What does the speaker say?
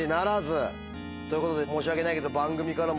ということで申し訳ないけど。